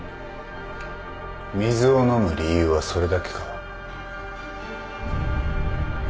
水を飲む理由はそれだけか？